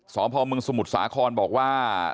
สพมสมุทรสาครบอกว่า